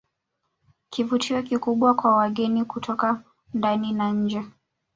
Kivutio kikubwa kwa wageni kutoka ndani na nje